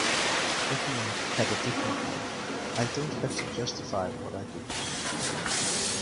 Ignorant had a different view; I don't have to justify what I do.